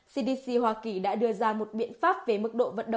cdc hoa kỳ đã đưa ra một biện pháp về mức độ